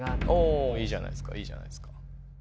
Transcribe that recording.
おいいじゃないっすかいいじゃないっすか。